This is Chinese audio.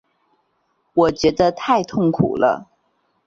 我觉得太痛苦了